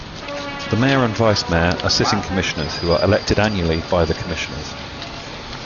The mayor and vice-mayor are sitting commissioners whom are elected annually by the commissioners.